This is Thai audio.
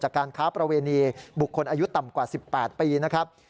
การค้าประเวณีบุคคลอายุต่ำกว่า๑๘ปีนะครับ